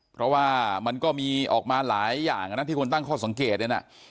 เพราะว่ามันก็มีออกมาหลายอย่างนะที่คนตั้งข้อสังเกตเนี่ยนะ